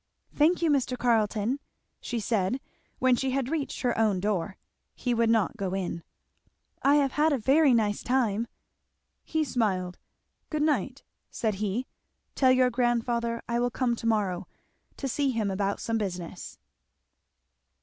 "Thank you, Mr. Carleton," she said when she had reached her own door; (he would not go in) "I have had a very nice time!" He smiled. "Good night," said he. "Tell your grandfather I will come to morrow to see him about some business."